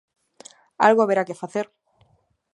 Algo haberá que facer.